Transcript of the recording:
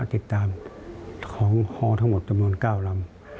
ก็ได้ติดตามของฮทั้งหมดจำนวนเก้าลำ